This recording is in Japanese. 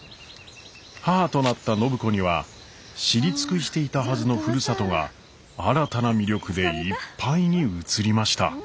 母となった暢子には知り尽くしていたはずのふるさとが新たな魅力でいっぱいに映りました。